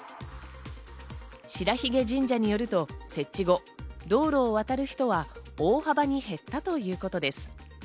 白鬚神社によると設置後、道路を渡る人は大幅に減ったということです。